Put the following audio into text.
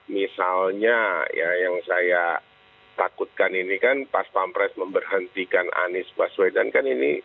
misalnya yang saya takutkan ini kan pas pak pres memberhentikan anies baswedan kan ini